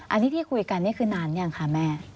อันนี้ที่คุยกันนี่คือนานยังคะแม่